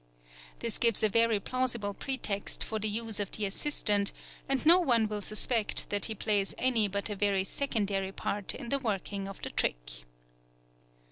This gives a very plausible pretext for the use of the assistant, and no one will suspect that he plays any but a very secondary part in the working of the trick.